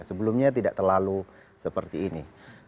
sebelumnya tidak terlalu seperti ini